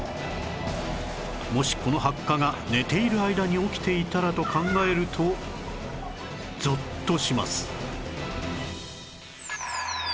もしこの発火が寝ている間に起きていたらと考えるとゾッとします